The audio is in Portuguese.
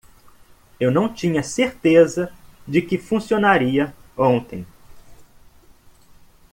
Eu não tinha certeza de que funcionaria ontem.